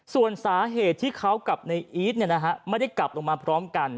ส่วนสาเหตุที่เขากับในอีทไม่ได้กลับลงมาพร้อมกัน